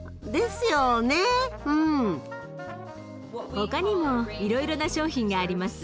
他にもいろいろな商品があります。